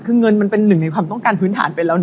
คือเงินมันเป็นหนึ่งในความต้องการพื้นฐานไปแล้ว